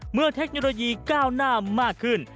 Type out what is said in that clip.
เทคโนโลยีก้าวหน้ามากขึ้น